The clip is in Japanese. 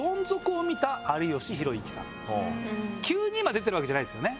急に今出てるわけじゃないですよね。